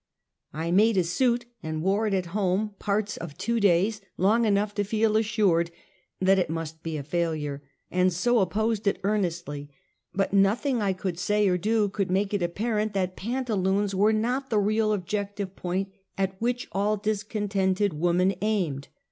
I made a suit and wore it at home j)arts of two days, long enough to feel assured that it must be a failure; and so opposed itearnestl}^, but nothing I could say or do could make it apparent that pantaloons were not the real objective point, at which all discontented woman aimed.